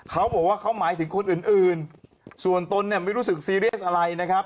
เขาบอกว่าเขาหมายถึงคนอื่นส่วนตนเนี่ยไม่รู้สึกซีเรียสอะไรนะครับ